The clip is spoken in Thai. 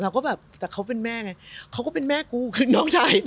แต่เค้าเป็นแม่ไงเค้าก็เป็นแม่กูคือน้องชาย